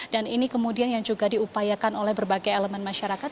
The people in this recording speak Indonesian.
dan ini kemudian yang juga diupayakan oleh berbagai elemen masyarakat